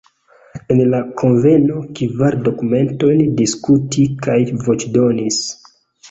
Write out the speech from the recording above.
En la kunveno kvar dokumentojn diskutis kaj voĉdonis.